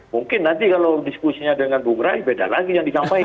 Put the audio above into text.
mungkin nanti kalau diskusinya dengan bung rai beda lagi yang disampaikan